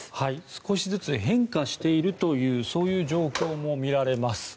少しずつ変化しているという状況も見られます。